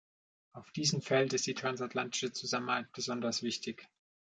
Auf diesem Feld ist die transatlantische Zusammenarbeit besonders wichtig.